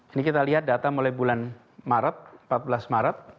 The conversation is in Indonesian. ini kita lihat data mulai bulan maret empat belas maret